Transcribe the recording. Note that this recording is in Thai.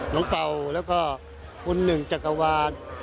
เป่าแล้วก็คุณหนึ่งจักรวาล